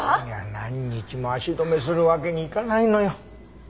何日も足止めするわけにいかないのよ。